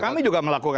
kami juga melakukan